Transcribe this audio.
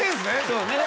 そうね。